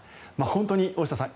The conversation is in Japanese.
本当に大下さん